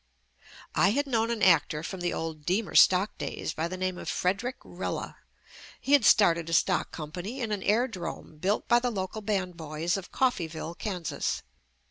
I had known an actor from the old Diemer stock days by the name of Frederick Rella. He had started a stock company in an airdrome built by the local band boys of Coffeyville, Kansas.